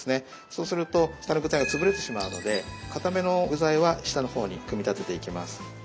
そうすると下の具材が潰れてしまうのでかための具材は下の方に組み立てていきます。